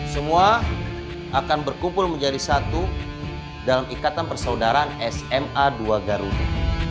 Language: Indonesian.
semua akan berkumpul menjadi satu dalam ikatan persaudaraan sma dua garuda